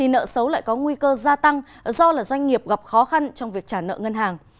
nợ xấu lại có nguy cơ gia tăng do doanh nghiệp gặp khó khăn trong việc trả nợ ngân hàng